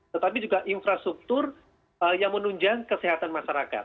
tetapi juga infrastruktur yang menunjang kesehatan masyarakat